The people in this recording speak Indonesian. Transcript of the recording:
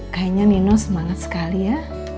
kayaknya nino semangat sekali ya